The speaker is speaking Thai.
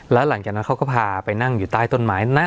แล้วหลังจากนั้นเขาก็พาไปนั่งอยู่ใต้ต้นไม้นะ